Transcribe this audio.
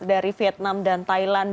dari vietnam dan thailand